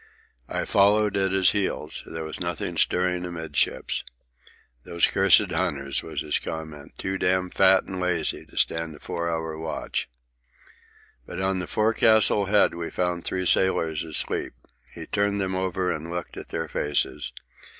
I followed at his heels. There was nothing stirring amidships. "Those cursed hunters," was his comment. "Too damned fat and lazy to stand a four hour watch." But on the forecastle head we found three sailors asleep. He turned them over and looked at their faces.